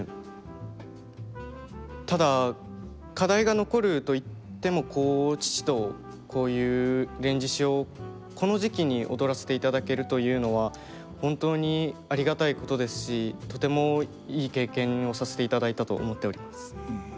ただ課題が残ると言っても父とこういう「連獅子」をこの時期に踊らせていただけるというのは本当にありがたいことですしとてもいい経験をさせていただいたと思っております。